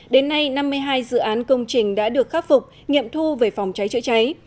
đến nay năm mươi hai dự án công trình đã được khắc phục nghiệm thu về phòng cháy chữa cháy